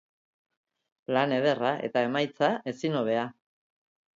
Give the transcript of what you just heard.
Lan ederra, eta emaitza ezin hobea.